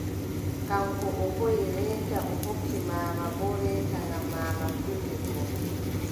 Kaŋko o hooʼi reete, o hokki maama boo reeta ngam maama puldebbo,